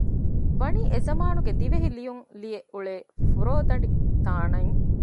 ވަނީ އެ ޒަމާނުގެ ދިވެހި ލިޔުން ލިޔެ އުޅޭ ފުރޯދަނޑި ތާނައިން